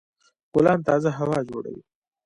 ګلان تازه هوا جوړوي.